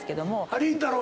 りんたろー。